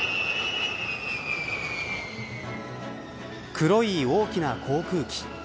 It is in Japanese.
黒い大きな航空機。